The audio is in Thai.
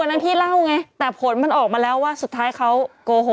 นั้นพี่เล่าไงแต่ผลมันออกมาแล้วว่าสุดท้ายเขาโกหก